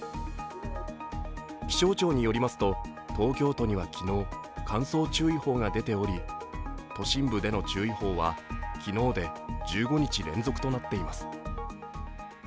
気象庁によりますと、東京都には昨日、乾燥注意報が出ており都心部での注意報は昨日で１５日連続となっています。